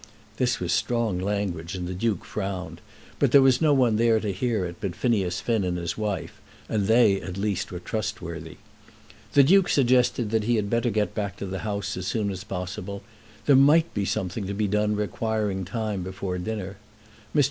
This was strong language, and the Duke frowned; but there was no one there to hear it but Phineas Finn and his wife, and they, at least, were trustworthy. The Duke suggested that he had better get back to the house as soon as possible. There might be something to be done requiring time before dinner. Mr.